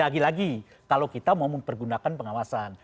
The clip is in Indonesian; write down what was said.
lagi lagi kalau kita mau mempergunakan pengawasan